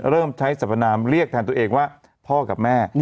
เริ่มใช้สรรพนามเรียกแทนตัวเองว่าพ่อกับแม่